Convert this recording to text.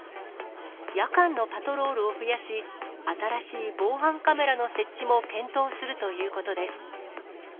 夜間のパトロールを増やし、新しい防犯カメラの設置も検討するということです。